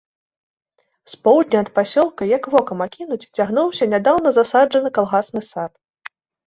З поўдня ад пасёлка, як вокам акінуць, цягнуўся нядаўна засаджаны калгасны сад.